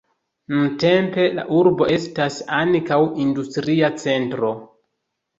Nuntempe la urbo estas ankaŭ industria centro.